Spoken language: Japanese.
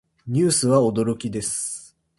ニュースは驚きです。